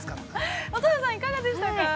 ◆乙葉さん、いかがでしたか？